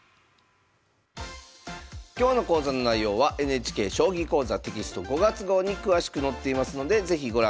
今日の講座の内容はＮＨＫ「将棋講座」テキスト５月号に詳しく載っていますので是非ご覧ください。